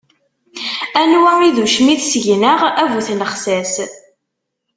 Anwa i d ucmit seg-nneɣ, a bu tnexsas.